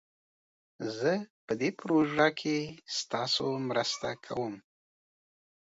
زه په دي پروژه کښي ستاسو مرسته کووم